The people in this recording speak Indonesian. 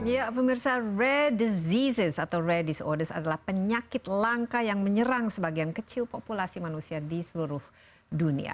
ya pemirsa ray diseases atau redisordes adalah penyakit langka yang menyerang sebagian kecil populasi manusia di seluruh dunia